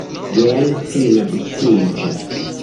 Jen fina disiĝo.